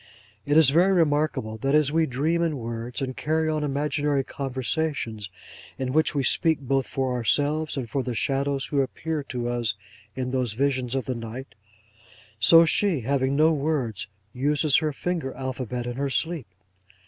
It is very remarkable, that as we dream in words, and carry on imaginary conversations, in which we speak both for ourselves and for the shadows who appear to us in those visions of the night, so she, having no words, uses her finger alphabet in her sleep.